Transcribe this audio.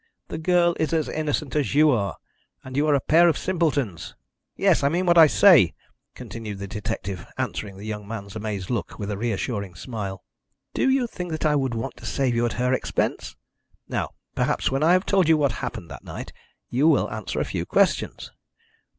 The girl is as innocent as you are, and you are a pair of simpletons! Yes. I mean what I say," continued the detective, answering the young man's amazed look with a reassuring smile. "Do you think that I would want to save you at her expense? Now perhaps, when I have told you what happened that night, you will answer a few questions.